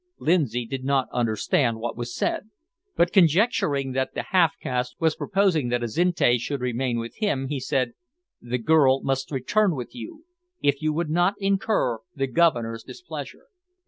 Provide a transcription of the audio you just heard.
Lindsay did not understand what was said, but, conjecturing that the half caste was proposing that Azinte should remain with him, he said: "The girl must return with you if you would not incur the Governor's displeasure."